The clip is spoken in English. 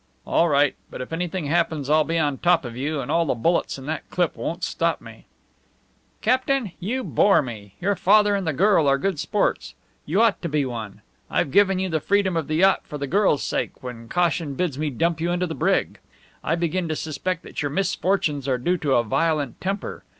"All right. But if anything happens I'll be on top of you, and all the bullets in that clip won't stop me." "Captain, you bore me. Your father and the girl are good sports. You ought to be one. I've given you the freedom of the yacht for the girl's sake when caution bids me dump you into the brig. I begin to suspect that your misfortunes are due to a violent temper.